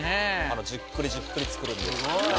じっくりじっくり作るんで。